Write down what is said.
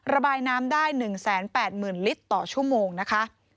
ระบายน้ำได้๑๘๐๐๐ลิตรต่อชั่วโมงนะคะ